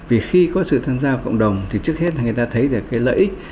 vì khi có sự tham gia của cộng đồng thì trước hết là người ta thấy được cái lợi ích